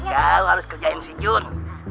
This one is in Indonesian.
kau harus kerjain si jun